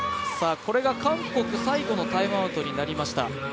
これが韓国最後のタイムアウトになりました。